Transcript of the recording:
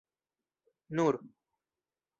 nur